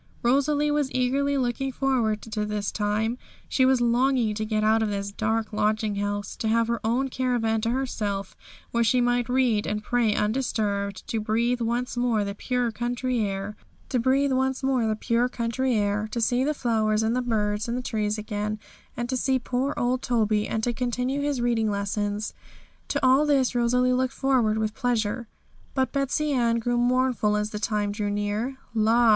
Rosalie was eagerly looking forward to this time; she was longing to get out of this dark lodging house; to have her own caravan to herself, where she might read and pray undisturbed; to breathe once more the pure country air; to see the flowers, and the birds, and the trees again; and to see poor old Toby, and to continue his reading lessons. To all this Rosalie looked forward with pleasure. But Betsey Ann grew very mournful as the time drew near. 'La!'